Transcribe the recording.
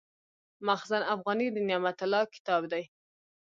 مخزن افغاني د نعمت الله کتاب دﺉ.